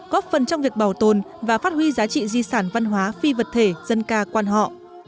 góp phần trong việc bảo tồn và phát huy giá trị di sản văn hóa phi vật thể dân ca quan họ